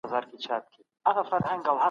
ستاسو اسانتیا زموږ لومړیتوب دی.